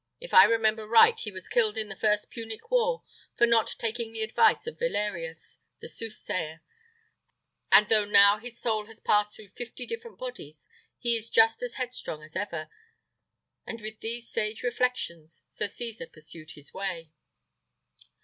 If I remember right he was killed in the first Punic war, for not taking the advice of Valerius the soothsayer; and though now his soul has passed through fifty different bodies, he is just as headstrong as ever." And with these sage reflections Sir Cesar pursued his way.